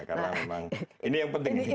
karena memang ini yang penting